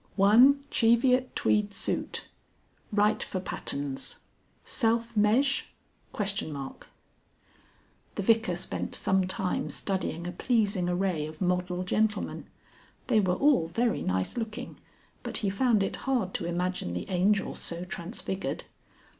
_ "1 Cheviot Tweed Suit (write for patterns. Self meas.?)" The Vicar spent some time studying a pleasing array of model gentlemen. They were all very nice looking, but he found it hard to imagine the Angel so transfigured.